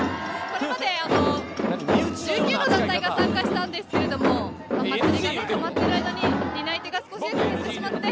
これまで１９の団体が参加したんですけど祭りが止まっている間に担い手が少しずつ減ってしまって。